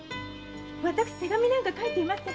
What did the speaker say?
私手紙なんか書いていません。